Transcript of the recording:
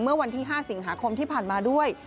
เมื่อวันที่๕สิงหาคมที่ผ่านมาด้วย